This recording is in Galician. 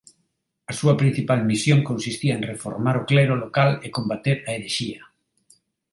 A súa principal misión consistía en reformar o clero local e combater a herexía.